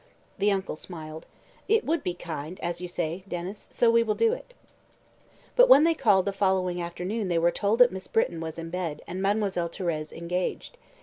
The uncle smiled. "It would be kind, as you say, Denys, so we will do it." But when they called the following afternoon they were told that Miss Britton was in bed and Mademoiselle Thérèse engaged.